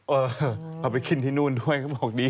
เอาไปกินที่นู่นด้วยเขาบอกดี